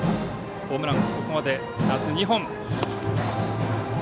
ホームラン、ここまで夏２本。